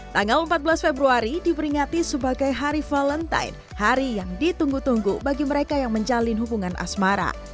tanggal empat belas februari diperingati sebagai hari valentine hari yang ditunggu tunggu bagi mereka yang menjalin hubungan asmara